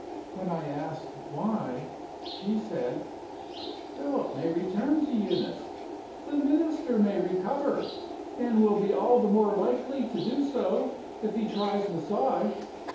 When I asked why, she said: 'Philip may return to Euneece; the Minister may recover and will be all the more likely to do so if he tries Massage.